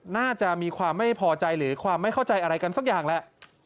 น่าจะมีความไม่พอใจหรือความไม่เข้าใจอะไรกันสักอย่างแหละ